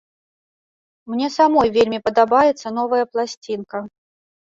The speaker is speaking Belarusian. Мне самой вельмі падабаецца новая пласцінка.